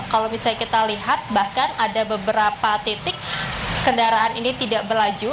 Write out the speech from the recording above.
kalau misalnya kita lihat bahkan ada beberapa titik kendaraan ini tidak berlaju